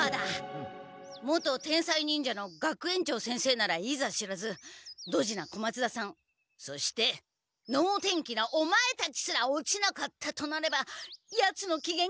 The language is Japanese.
元天才忍者の学園長先生ならいざ知らずドジな小松田さんそしてのうてんきなオマエたちすら落ちなかったとなればヤツのきげんが悪くなるのは明白！